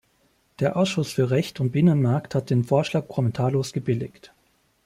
Der Ausschuss für Recht und Binnenmarkt hat den Vorschlag kommentarlos gebilligt.